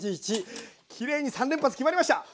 きれいに３連発決まりました！